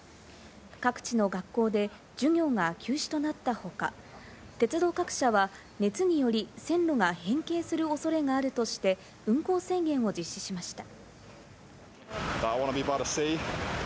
各地の学校で授業が休止となったほか、鉄道各社は熱により線路が変形する恐れがあるとして運行制限を実施しました。